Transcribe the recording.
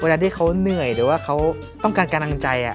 ที่เขาเหนื่อยหรือว่าเขาต้องการกำลังใจ